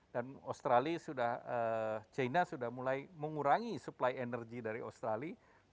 dan australia sudah china sudah mulai mengurangi supply energy dari australia